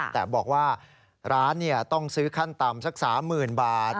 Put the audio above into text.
แต่บอกว่าร้านต้องซื้อขั้นต่ำสัก๓๐๐๐บาท